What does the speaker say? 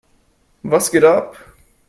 Was geht ab?